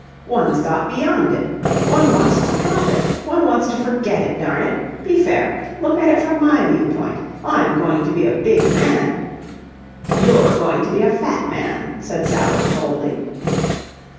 One's got beyond it. One wants to drop it. One wants to forget it, darn it! Be fair. Look at it from my viewpoint. I'm going to be a big man..." "You're going to be a fat man," said Sally, coldly.